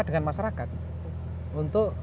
dengan masyarakat untuk